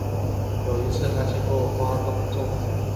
有一次他经过花东纵谷